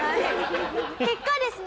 結果ですね